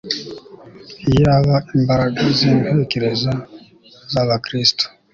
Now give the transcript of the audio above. Iyaba imbaraga zintekerezo zAbakristo